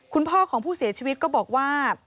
คุณพ่อของผู้เสียชีวิตก็บอกว่า